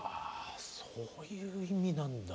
そういう意味なんだ。